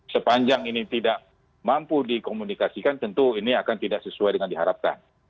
sepanjang ini tidak mampu dikomunikasikan tentu ini akan tidak sesuai dengan diharapkan